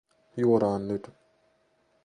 Juodaan nyt.